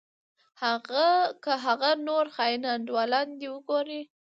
که هغه نور خاين انډيوالان دې وګورې.